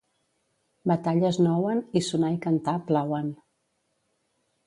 Batalles nouen, i sonar i cantar, plauen.